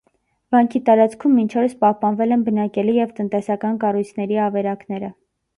Վանքի տարածքում մինչ օրս պահպանվել են բնակելի և տնտեսական կառույցների ավերակները։